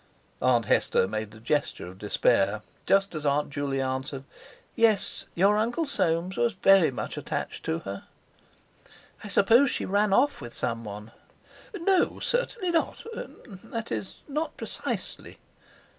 Aunt Hester made a gesture of despair, just as Aunt Juley answered: "Yes, your Uncle Soames was very much attached to her." "I suppose she ran off with someone?" "No, certainly not; that is—not precisely."